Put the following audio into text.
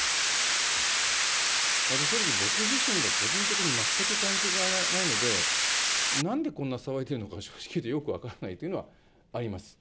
まず正直、僕自身が個人的に全く関係がないので、なんでこんな騒いでいるのか、正直言ってよく分からないというのがあります。